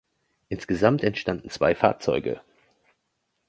Insgesamt entstanden zwei Fahrzeuge.